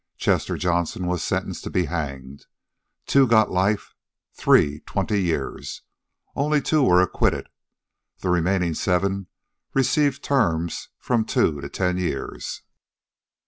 Chester Johnson was sentenced to be hanged. Two got life; three, twenty years. Only two were acquitted. The remaining seven received terms of from two to ten years.